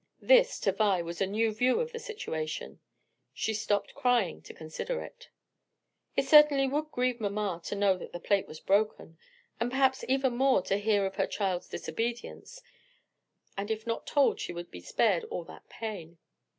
This, to Vi, was a new view of the situation. She stopped crying to consider it. It certainly would grieve mamma to know that the plate was broken, and perhaps even more to hear of her child's disobedience, and if not told she would be spared all that pain.